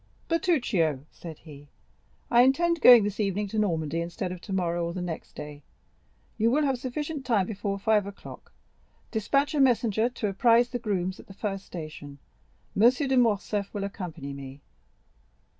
"Bertuccio," said he, "I intend going this evening to Normandy, instead of tomorrow or the next day. You will have sufficient time before five o'clock; despatch a messenger to apprise the grooms at the first station. M. de Morcerf will accompany me."